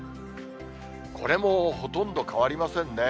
これもほとんど変わりませんね。